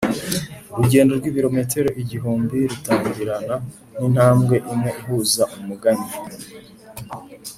urugendo rw'ibirometero igihumbi rutangirana n'intambwe imwe ihuza umugani